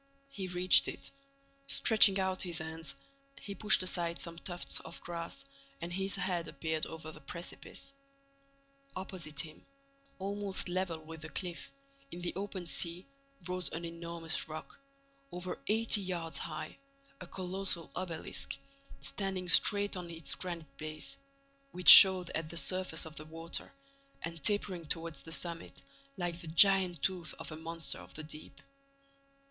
He reached it. Stretching out his hands, he pushed aside some tufts of grass and his head appeared over the precipice. Opposite him, almost level with the cliff, in the open sea rose an enormous rock, over eighty yards high, a colossal obelisk, standing straight on its granite base, which showed at the surface of the water, and tapering toward the summit, like the giant tooth of a monster of the deep.